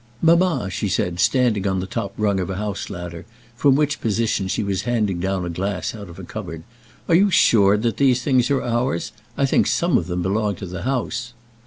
"Mamma," she said, standing on the top rung of a house ladder, from which position she was handing down glass out of a cupboard, "are you sure that these things are ours? I think some of them belong to the house."